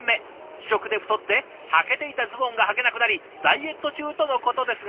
試食で太ってはけていたズボンがはけなくなりダイエット中とのことですが。